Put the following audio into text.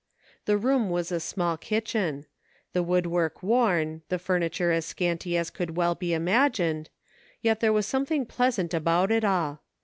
The room was a small kitchen ; the woodwork worn, the furniture as scanty as could well be imagined, yet there was something pleas iS "MARCH ! I SAID." ant about it all.